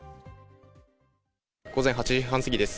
午前８時半すぎです。